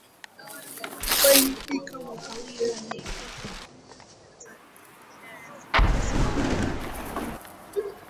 walifika mwaka uleule wa wakitumia njia ya Ziwa Nyasa wakagawana maeneo